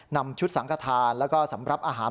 นำชุดสังขทานแล้วก็สำหรับอาหาร